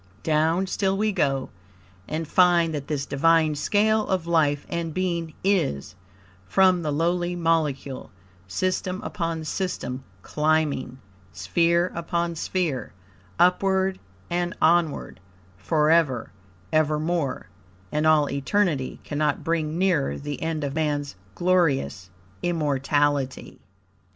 Down still we go, and find that this Divine scale of life and being is, from the lowly molecule, system upon system climbing, sphere upon sphere, upward and onward, forever, evermore, and all eternity cannot bring nearer the end of Man's glorious immortality.